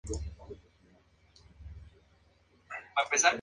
En realidad, pocas criaturas caen en las tres categorías anteriores.